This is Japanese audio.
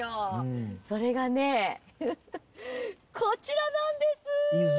それがねこちらなんです！